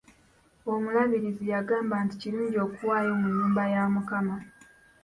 Omulabirizi yagamba nti kirungi okuwaayo mu nnyumba ya mukama.